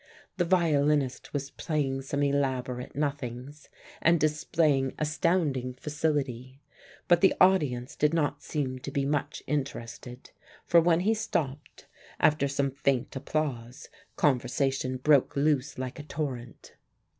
The violinist was playing some elaborate nothings, and displaying astounding facility, but the audience did not seem to be much interested, for when he stopped, after some faint applause, conversation broke loose like a torrent.